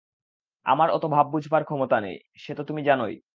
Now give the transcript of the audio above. আমার অত ভাব বুঝবার ক্ষমতা নেই, সে তো তুমি জানই ।